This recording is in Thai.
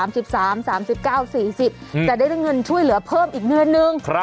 จะได้เงินช่วยเหลือเพิ่มอีกเดือนนึง